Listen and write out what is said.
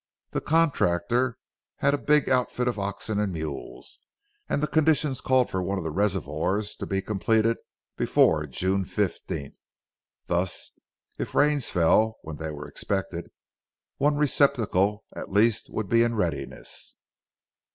The contractor had a big outfit of oxen and mules, and the conditions called for one of the reservoirs to be completed before June 15th. Thus, if rains fell when they were expected, one receptacle at least would be in readiness.